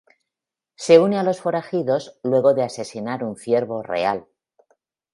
Se une a los forajidos luego de asesinar un ciervo real.